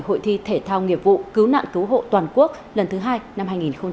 hội thi thể thao nghiệp vụ cứu nạn cứu hộ toàn quốc lần thứ hai năm hai nghìn hai mươi